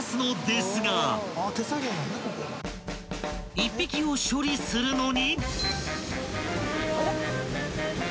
［１匹を処理するのに］